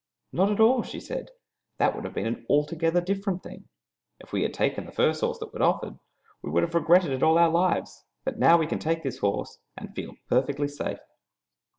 "Not at all," she said; "that would have been an altogether different thing. If we had taken the first horse that was offered we would have regretted it all our lives; but now we can take this horse and feel perfectly safe."